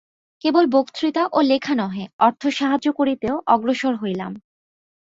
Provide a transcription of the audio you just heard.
কেবল বক্তৃতা ও লেখা নহে, অর্থসাহায্য করিতেও অগ্রসর হইলাম।